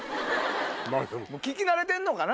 聞き慣れてんのかな